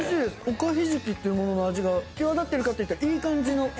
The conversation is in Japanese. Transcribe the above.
おかひじきっていうものの味が際立ってるかといったらいい感じの。